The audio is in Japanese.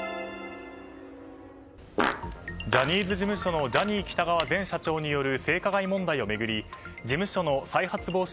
ジャニーズ事務所のジャニー喜多川前社長による性加害問題を巡り事務所の再発防止